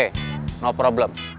tidak ada masalah